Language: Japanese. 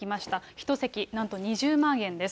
１席なんと２０万円です。